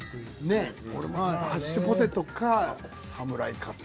ねっ俺もハッシュポテトかサムライかって。